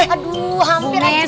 aduh hampir aja diketok